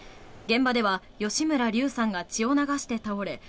現場では吉村竜さんが血を流して倒れ